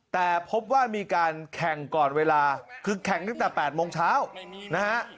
แต่พบว่ามีการแข่งก่อนเวลาคือแข่งตั้งแต่๘โมงเช้านะฮะ